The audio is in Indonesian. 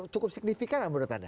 cukup signifikan menurut anda